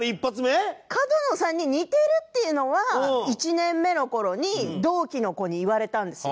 角野さんに似てるっていうのは１年目の頃に同期の子に言われたんですよ。